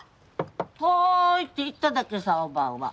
はいって言っただけさおばあは。